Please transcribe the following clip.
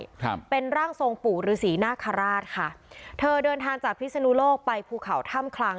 ครับเป็นร่างทรงปู่ฤษีนาคาราชค่ะเธอเดินทางจากพิศนุโลกไปภูเขาถ้ำคลัง